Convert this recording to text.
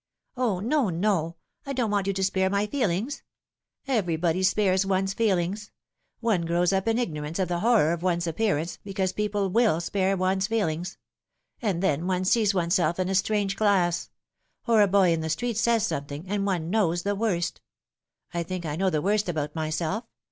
" O, no, no ! I don't want you to spare my feelings. Every body spares one's feelings. One grows up in ignorance of the horror of one's appearance, because people will spare one's feelings. And then one sees oneself in a strange glass ; or a boy in the street says something, and one knows the worst. I think I know the worst about myself.